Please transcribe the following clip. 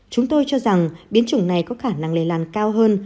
chúng tôi cho rằng biến chủng này có khả năng lây lan cao hơn